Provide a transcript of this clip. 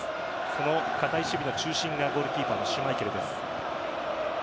その堅い守備の中心がゴールキーパーのシュマイケルです。